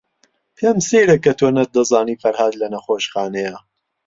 پێم سەیرە کە تۆ نەتدەزانی فەرھاد لە نەخۆشخانەیە.